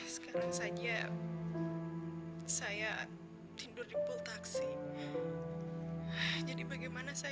suami saya memang beransek